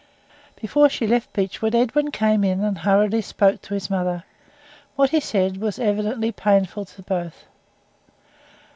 Before she left Beechwood, Edwin came in and hurriedly spoke to his mother. What he said was evidently painful to both.